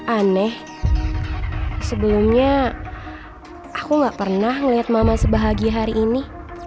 aneh sebelumnya aku gak pernah ngeliat mama sebahagi hari ini